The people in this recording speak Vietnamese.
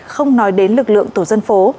không nói đến lực lượng tổ dân phố